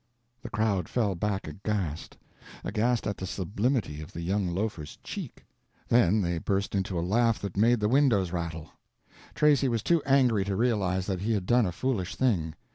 The crowd fell back aghast aghast at the sublimity of the young loafer's "cheek." Then they burst into a laugh that made the windows rattle. Tracy was too angry to realize that he had done a foolish thing.